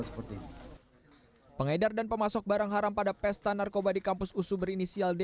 seperti ini pengedar dan pemasok barang haram pada pesta narkoba di kampus usu berinisial d